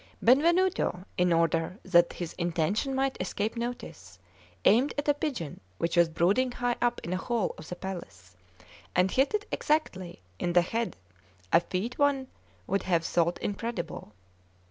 Benvenuto, in order that his intention might escape notice, aimed at a pigeon which was brooding high up in a hole of the palace, and hit it exactly in the head a feat one would have thought incredible.